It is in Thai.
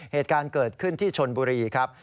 เหตุการณ์เกิดขึ้นที่ชนบุรีครับ